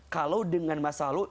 kalau dengan masa lalu